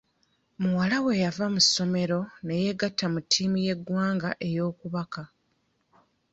Muwala we yava mu ssomero ne yeegatta ku ttiimu y'eggwanga ey'okubaka.